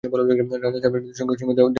রাজা যাইবেন, সঙ্গে দেওয়ানজি যাইবে না?